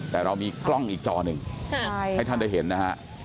แต่เรามีกล้องอีกจอหนึ่งให้ท่านได้เห็นนะฮะ